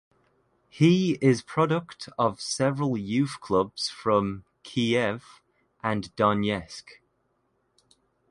He is product of several youth clubs from Kiev and Donetsk.